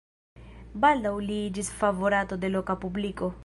Baldaŭ li iĝis favorato de loka publiko.